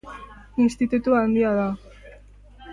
Institutu handia da.